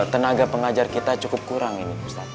tenaga pengajar kita cukup kurang ini ustadz